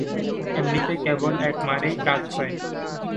এমনিতে কেবল এক মারেই কাজ হয়।